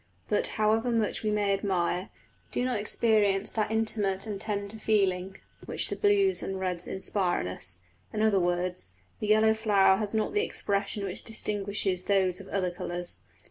But however much we may admire, we do not experience that intimate and tender feeling which the blues and reds inspire in us; in other words, the yellow flower has not the expression which distinguishes those of other colours.